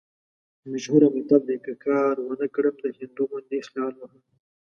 مشهور متل دی: که کار ونه کړم، د هندو غوندې خال وهم.